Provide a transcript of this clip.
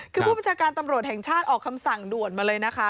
คือผู้บัญชาการตำรวจแห่งชาติออกคำสั่งด่วนมาเลยนะคะ